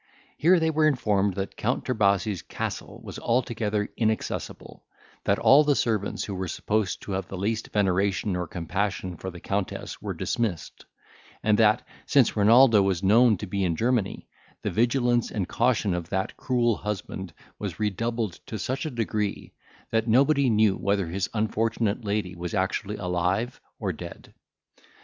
Here they were informed that Count Trebasi's castle was altogether inaccessible; that all the servants who were supposed to have the least veneration or compassion for the Countess were dismissed; and that, since Renaldo was known to be in Germany, the vigilance and caution of that cruel husband was redoubled to such a degree, that nobody knew whether his unfortunate lady was actually alive or dead.